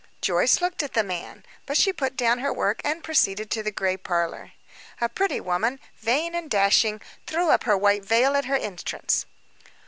Joyce looked at the man; but she put down her work and proceeded to the gray parlor. A pretty woman, vain and dashing, threw up her white veil at her entrance.